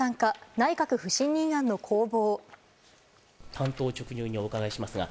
内閣不信任案の攻防。